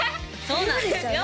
そうなんですよ